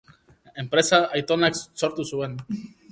Enpresa aitonak sortu zuen.